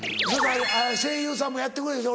声優さんもやってくれたでしょ